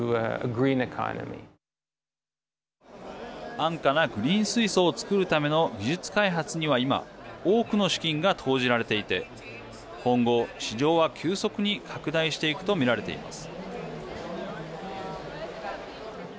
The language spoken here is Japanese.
安価なグリーン水素を作るための技術開発には今多くの資金が投じられていて今後、市場は急速に拡大していくと見られています。